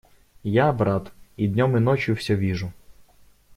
Я, брат, и днем и ночью все вижу.